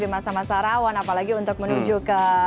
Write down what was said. di masa masa rawan apalagi untuk menuju ke